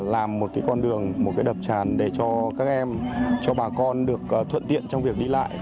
làm một cái con đường một cái đập tràn để cho các em cho bà con được thuận tiện trong việc đi lại